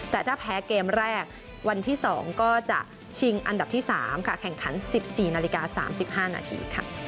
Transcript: แต่ถ้าแพ้เกมแรกวันที่๒ก็จะชิงอันดับที่๓แข่งขัน๑๔นาฬิกา๓๕นาที